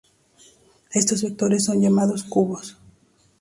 Estos vectores son llamados cubos.